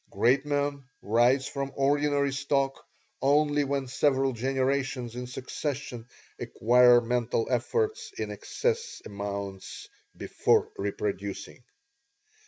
Great men rise from ordinary stock only when several generations in succession acquire mental efforts in excess amounts before reproducing."